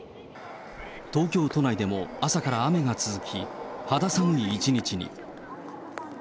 東京都内でも朝から雨が続き、肌寒い一日に。